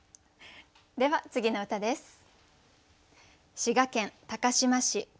では次の歌です。